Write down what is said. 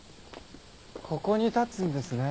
ここに建つんですね。